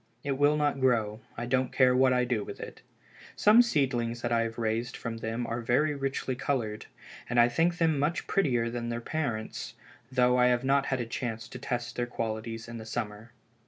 It will not grow, I don't care what I do with it. Some seedlings that I have raised from them are very richly colored, and I think them much prettier than their parents, though I have not had a chance to test their qualities in the summer."